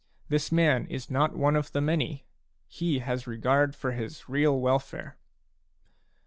This man is not one of the many ; he has regard for his real welfare."